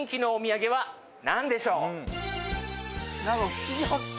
『ふしぎ発見』？